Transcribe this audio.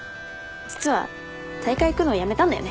実は大会行くのやめたんだよね。